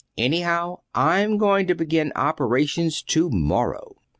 "Anyhow, I'm going down to begin operations to morrow."